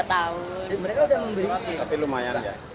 fabrik tkw gitu ya